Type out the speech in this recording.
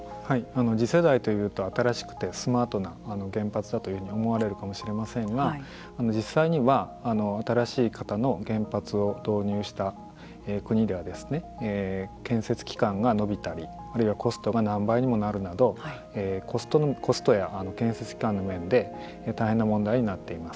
次世代というと新しくてスマートな原発だというふうに思われるかもしれませんが実際には新しい型の原発を導入した国では建設期間が延びたりあるいはコストが何倍にもなるなどコストや建設期間の面で大変な問題になっています。